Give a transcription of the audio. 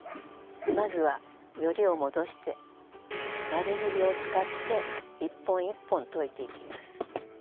まずはよりを戻して丸ぎりを使って１本１本といていきます。